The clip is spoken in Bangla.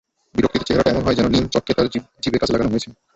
বিরক্তিতে চেহারাটা এমন হয়, যেন নিম চটকে তার জিবে লাগানো হয়েছে।